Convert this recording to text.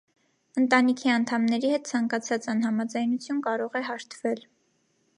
Ընտանիքի անդամների հետ ցանկացած անհամաձայնություն կարող է հարթվել։